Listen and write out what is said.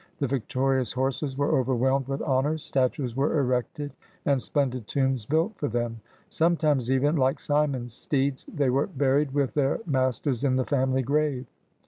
The victorious horses were overwhelmed with honors, statues were erected, and splendid tombs built for them. Sometimes even, like Cimon's steeds, they were buried with their mas ters in the family grave.